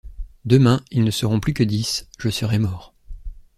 Demain, ils ne seront plus que dix, je serai mort.